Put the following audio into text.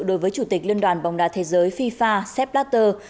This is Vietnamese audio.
đối với chủ tịch liên đoàn bóng đá thế giới fifa sepp blatter